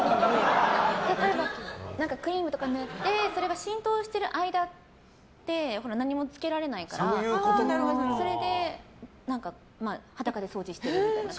例えばクリームとか塗ってそれが浸透している間って何も着けられないからそれで裸で掃除してる。